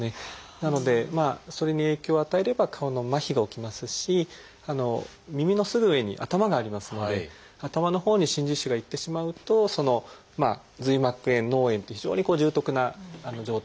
なのでそれに影響を与えれば顔の麻痺が起きますし耳のすぐ上に頭がありますので頭のほうに真珠腫が行ってしまうと髄膜炎脳炎っていう非常に重篤な状態になりえますね。